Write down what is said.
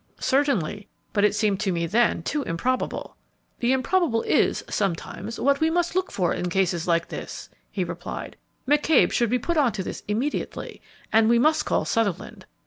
"Certainly; but it seemed to me then too improbable." "The improbable is, sometimes, what we must look for in cases like this," he replied; "McCabe should be put on to this immediately, and we must call Sutherland.